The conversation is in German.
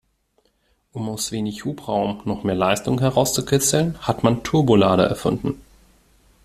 Um aus wenig Hubraum noch mehr Leistung herauszukitzeln, hat man Turbolader erfunden.